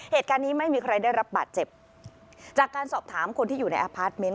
เหตุการณ์นี้ไม่มีใครได้รับบาดเจ็บจากการสอบถามคนที่อยู่ในอพาร์ทเมนต์